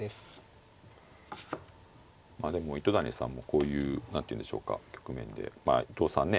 まあでも糸谷さんもこういう何ていうんでしょうか局面でまあ伊藤さんね